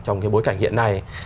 trong cái bối cảnh hiện nay